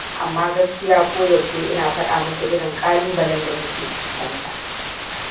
Amma gaskiya ko yaushe ina fada muku irin kalubalen da muke fuskanta.